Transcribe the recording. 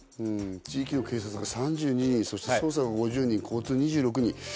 地域の警察が３２人そして捜査が５０人交通２６人。